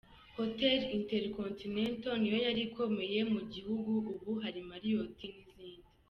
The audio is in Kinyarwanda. Hotel Intercontinental niyo yari ikomeye mu gihugu, ubu hari Marriot n’izindi.